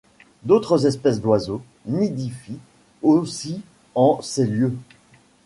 D'autres espèces d'oiseaux nidifient aussi en ces lieux.